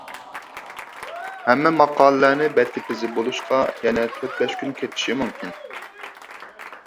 ھەممە ماقالىلەرنى بەتكە تىزىپ بولۇشقا يەنە تۆت-بەش كۈن كېتىشى مۇمكىن.